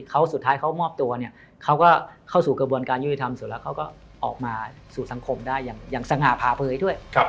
แล้วก็ออกมาสู่สังคมได้อย่างสง่าพาเผยด้วย